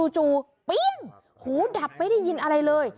จู่เปรี้ยงหูดับไม่ได้ยินอะไรเลย